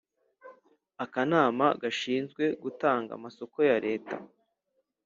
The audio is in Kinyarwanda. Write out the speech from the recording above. Akanama gashinzwe gutanga amasoko ya Leta